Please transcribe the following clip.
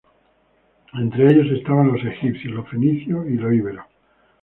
Entre ellos estaban los egipcios, los fenicios y los íberos.